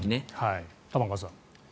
玉川さん。